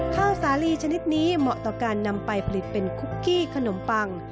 ข้าวสาลีชนิดนี้เหมาะต่อการนำไปผลิตเป็นคุกกี้ขนมปัง